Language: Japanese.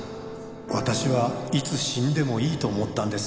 「私はいつ死んでもいいと思ったんです」